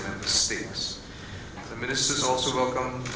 menteri pertahanan juga mengucapkan